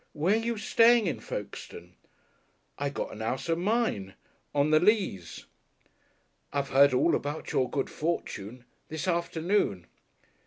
Where are you staying in Folkestone?" "I got a 'ouse of mine on the Leas." "I've heard all about your good fortune this afternoon."